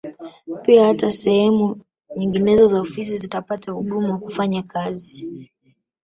Pia hata sehemu nyinginezo za ofisi zitapata ugumu wa kufanya kazi